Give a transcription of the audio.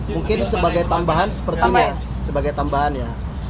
mungkin sebagai tambahan sepertinya sebagai tambahannya